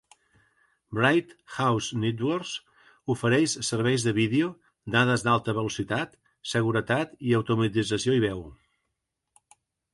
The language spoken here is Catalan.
Bright House Networks ofereix serveis de vídeo, dades d'alta velocitat, seguretat i automatització i veu.